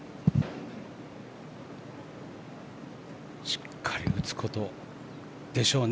しっかり打つことでしょうね